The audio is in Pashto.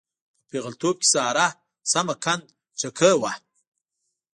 په پېغلتوب کې ساره سمه قند چکۍ وه.